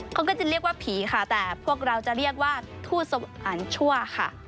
เขาก็จะเรียกว่าผีค่ะแต่พวกเราจะเรียกว่าทูตอันชั่วค่ะ